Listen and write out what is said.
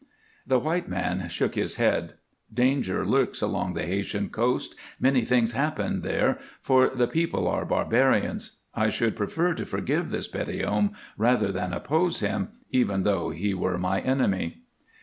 The white man shook his head. "Danger lurks along the Haytian coast; many things happen there, for the people are barbarians. I should prefer to forgive this Petithomme rather than oppose him, even though he were my enemy."